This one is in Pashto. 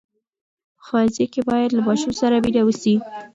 په ښوونځي کې باید له ماشوم سره مینه وسي.